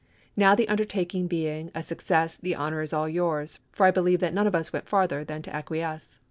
Now, the undertaking being a success, the honor is all yours, for I believe none of us went farther than to acquiesce.